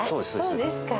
そうですか。